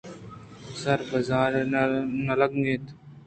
سر برز ءَ نہ لگ اِت